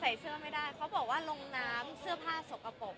ใส่เสื้อไม่ได้เขาบอกว่าลงน้ำเสื้อผ้าสกปรก